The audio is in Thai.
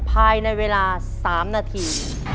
ภายในเวลา๓นาที